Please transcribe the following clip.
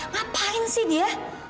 ngapain sih dia